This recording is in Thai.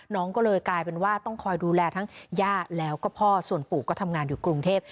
น้องก็เลยกลายเป็นว่าต้องคอยดูแลทั้งย่าแล้วก็พ่อส่วนปู่ก็ทำงานอยู่กรุงเทพ